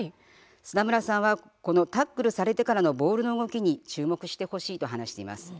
砂村さんは、このタックルされてからのボールの動きに注目してほしいと話しています。